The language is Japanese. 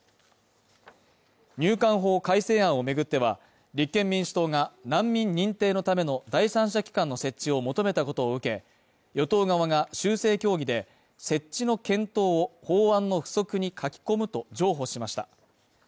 入管法改正案を巡っては、立憲民主党が難民認定のための第三者機関の設置を求めたことを受け、与党側が修正協議で設置の検討を、法案の附則に書き込むと、情報しました。